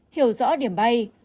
hiểu rõ điểm bay